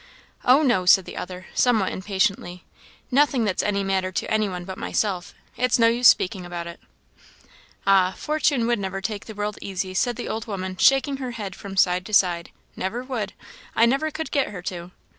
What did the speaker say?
"Oh, no!" said the other, somewhat impatiently; "nothing that's any matter to anyone but myself; it's no use speaking about it." "Ah! Fortune never would take the world easy," said the old woman, shaking her head from side to side; "never would; I never could get her to."